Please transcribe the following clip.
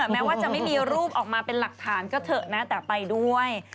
แม้ว่าจะไม่มีรูปออกมาเป็นหลักฐานก็เถอะนะแต่ไปด้วย